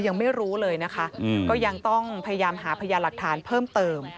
ยังไม่รู้เลยนะคะก็ยังต้องพยายามหาพยานหลักฐานเพิ่มเติม